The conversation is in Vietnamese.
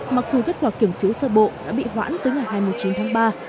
mặc dù kết quả kiểm phiếu sơ bộ đã bị hoãn tới ngày hai mươi chín tháng ba